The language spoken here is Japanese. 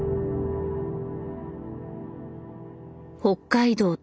北海道